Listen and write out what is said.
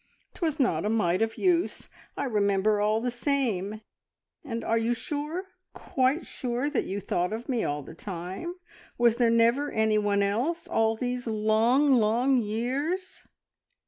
"'Twas not a mite of use. I remember all the same! And are you sure quite sure that you thought of me all the time? Was there never anyone else all these long, long years?"